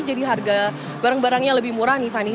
jadi harga barang barangnya lebih murah nih fani